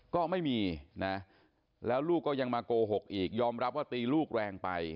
ก็ไม่มีนะแล้วลูกก็ยังมาโกหกอีกยอมรับว่าตีลูกแรงไป